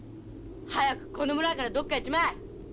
早くこの村からどっかへ行っちまえ！